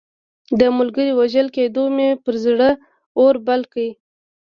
د ملګري وژل کېدو مې پر زړه اور رابل کړ.